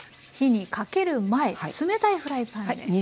火にかける前冷たいフライパンで。